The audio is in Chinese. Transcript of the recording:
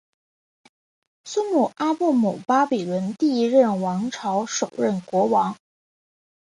苏姆阿布姆巴比伦第一王朝首任国王。